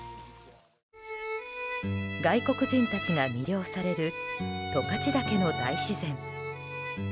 外国人たちが魅了される十勝岳の大自然。